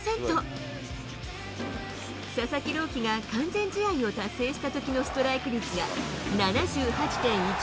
佐々木朗希が完全試合を達成したときのストライク率が７８．１％。